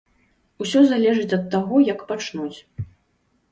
Усё залежыць ад таго, як пачнуць.